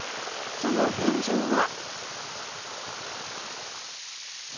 その現状は。